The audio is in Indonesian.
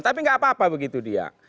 tapi nggak apa apa begitu dia